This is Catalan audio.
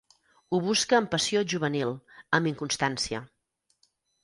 Ho busca amb passió juvenil, amb inconstància.